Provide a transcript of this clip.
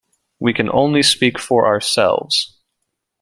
We can only speak for ourselves.